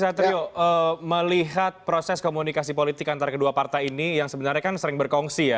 satrio melihat proses komunikasi politik antara kedua partai ini yang sebenarnya kan sering berkongsi ya